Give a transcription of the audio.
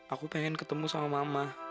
aku pengen ketemu sama mama